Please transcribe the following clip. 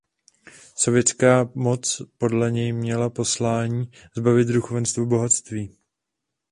Světská moc podle něj měla poslání zbavit duchovenstvo bohatství.